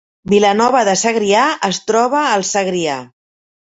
Vilanova de Segrià es troba al Segrià